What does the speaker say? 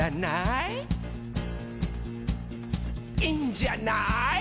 「いいんじゃない？」